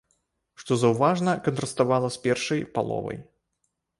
Што заўважна кантраставала з першай паловай.